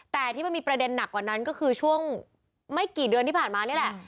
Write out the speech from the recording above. แต่ที่มันมีประเด็นหนักกว่านั้นก็คือช่วงไม่กี่เดือนที่ผ่านมานี่แหละ